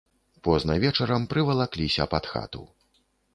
Позна вечарам прывалакліся пад хату.